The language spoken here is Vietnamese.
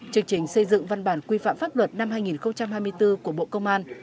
chương trình xây dựng văn bản quy phạm pháp luật năm hai nghìn hai mươi bốn của bộ công an